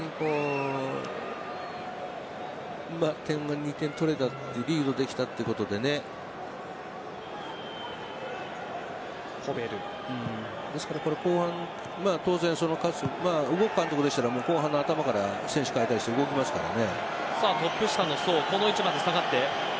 ２点取ってリードできたことで後半、当然動く監督でしたら後半の頭から選手を代えたり動きますからね。